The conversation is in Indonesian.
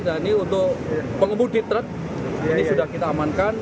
dan ini untuk pengemudi truk ini sudah kita amankan